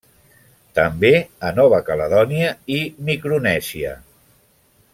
També a Nova Caledònia i Micronèsia.